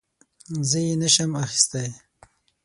زه یې نه شم اخیستی .